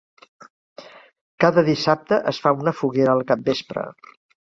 Cada dissabte es fa una foguera al capvespre.